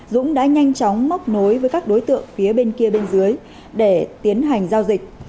dũng đã nhanh chóng móc nối với các đối tượng phía bên kia bên dưới để tiến hành giao dịch